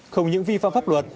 không những vi phạm pháp luật